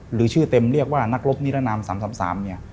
หรือชื่อเต็มเรียกว่านักรบนิรนาม๓๓เนี่ย